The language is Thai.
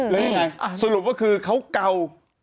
แล้วยังไงสรุปว่าคือเขาเก่า